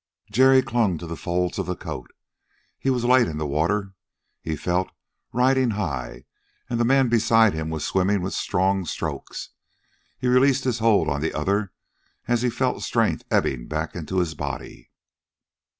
Jerry clung to the folds of the coat. He was light in the water, he felt riding high and the man beside him was swimming with strong strokes. He released his hold on the other as he felt strength ebbing back into his body.